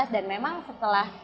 dan memang setelah